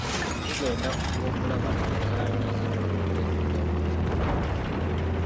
Tugenda kufuba okulaba nti enkaayana eziri mu bika eby'enjawulo ziggwawo.